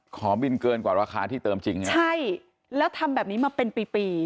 ขอบินเกินกว่าราคาที่เติมจริงไงใช่แล้วทำแบบนี้มาเป็นปีปี